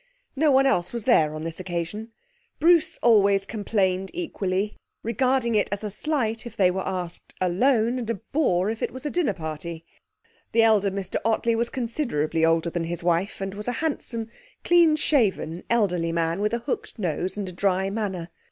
No one else was there on this occasion. Bruce always complained equally, regarding it as a slight if they were asked alone, and a bore if it was a dinner party. The elder Mr Ottley was considerably older than his wife, and was a handsome, clean shaven elderly man with a hooked nose and a dry manner.